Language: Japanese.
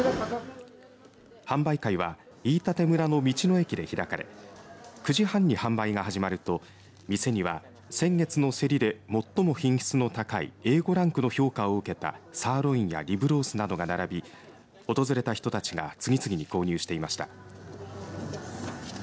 販売会は飯舘村の道の駅で開かれ９時半に販売が始まると店には先月の競りで最も品質の高いＡ５ランクの評価を受けたサーロインやリブロースなどが並び訪れた人たちが次々に購入していました。